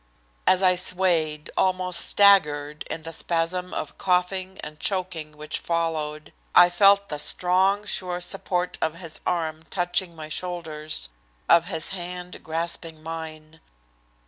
As I swayed, almost staggered, in the spasm of coughing and choking which followed, I felt the strong, sure support of his arm touching my shoulders, of his hand grasping mine.